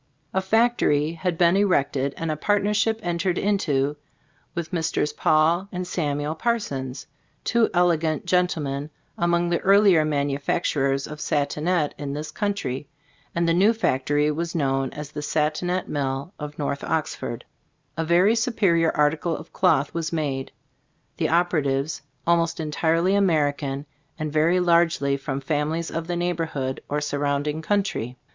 A factory had been erected and a partnership entered into with Messrs. Paul and Samuel Parsons, two elegant gentlemen among the earlier manufacturers of satinet in this country, and the new factory was known as "The Satinet Mill of North Gbe Store of d&B CbtR>boo& 101 Oxford." A very superior article of cloth was made, the operatives almost entirely American, and very largely from families of the neighborhood or surrounding country.